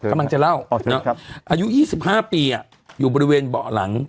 กำลังจะเล่าอ๋อเชิญครับอายุยี่สิบห้าปีอ่ะอยู่บริเวณเบาะหลัง